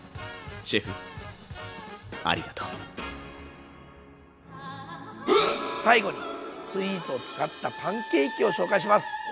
シェフありがとう最後にスイーツを使ったパンケーキを紹介します。